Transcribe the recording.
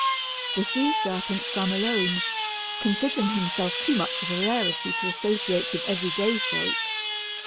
The sea serpent swam alone, considering himself too much of a rarity to associate with every day folk.